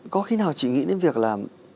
có khi nào chị nghĩ đến việc là